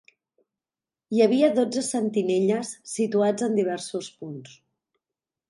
Hi havia dotze sentinelles, situats en diversos punts